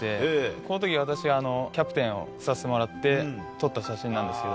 このとき私がキャプテンをさせてもらって、撮った写真なんですけど。